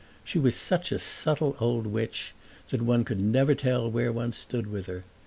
She was such a subtle old witch that one could never tell where one stood with her.